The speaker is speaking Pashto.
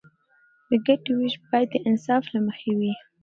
د ګټې ویش باید د انصاف له مخې وي.